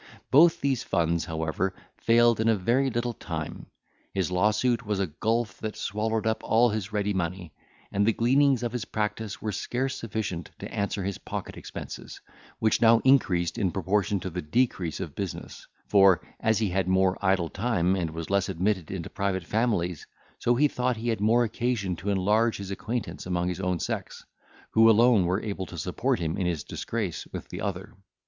Both these funds, however, failed in a very little time, his lawsuit was a gulf that swallowed up all his ready money, and the gleanings of his practice were scarce sufficient to answer his pocket expenses, which now increased in proportion to the decrease of business, for, as he had more idle time, and was less admitted into private families, so he thought he had more occasion to enlarge his acquaintance among his own sex, who alone were able to support him in his disgrace with the other.